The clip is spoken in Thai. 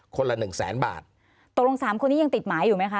ละหนึ่งแสนบาทตกลงสามคนนี้ยังติดหมายอยู่ไหมคะ